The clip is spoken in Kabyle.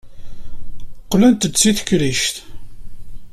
Qqlent-d seg tekrict.